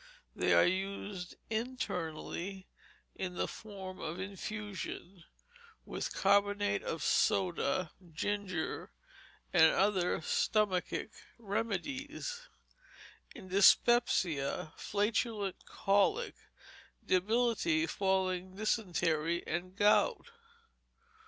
They are used internally in the form of infusion, with carbonate of soda, ginger, and other stomachic remedies, in dyspepsia, flatulent colic, debility following dysentery and gout.